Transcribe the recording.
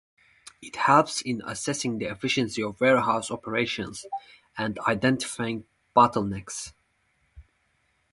It helps in assessing the efficiency of warehouse operations and identifying bottlenecks.